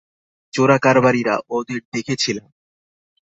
চোরা কারবারিরা, ওদের দেখেছিলাম।